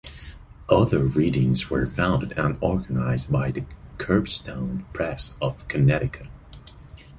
Other readings were funded and organized by The Curbstone Press of Connecticut.